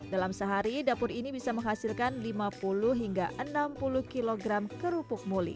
dalam sehari dapur ini bisa menghasilkan lima puluh hingga enam puluh kg kerupuk muli